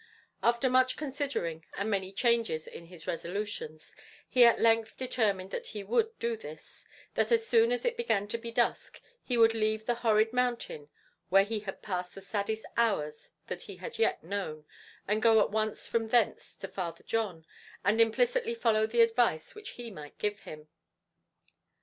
After much considering, and many changes in his resolutions, he at length determined that he would do this that as soon as it began to be dusk, he would leave the horrid mountain where he had passed the saddest hours that he had yet known, and go at once from thence to Father John, and implicitly follow the advice which he might give him.